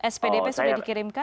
spdp sudah dikirimkan